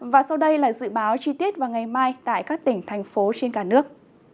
và sau đây là dự báo chi tiết vào ngày mai tại các tỉnh thành phố trên cả nước